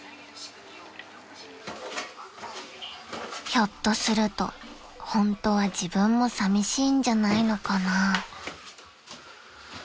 ［ひょっとするとホントは自分もさみしいんじゃないのかな］